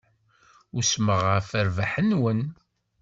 Usmeɣ ɣef rrbeḥ-nwen.